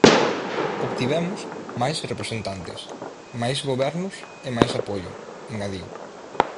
"Obtivemos máis representantes, máis gobernos e máis apoio", engadiu.